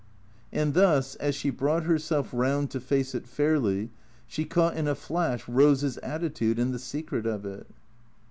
And thus, as she brought herself round to face it fairly, she caught in a flash Eose's attitude and the secret of it.